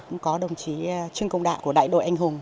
cũng có đồng chí trương công đạ của đại đội anh hùng